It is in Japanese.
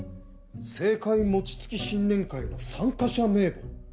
政界餅つき新年会の参加者名簿。